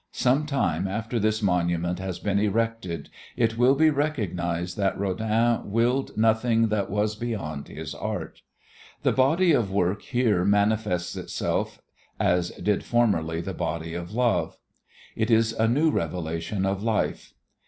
Some time after this monument has been erected it will be recognized that Rodin willed nothing that was beyond his art. The body of work here manifests itself as did formerly the body of love: it is a new revelation of life.